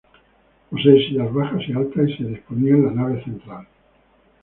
Posee sillas bajas y altas y se disponía en la nave central.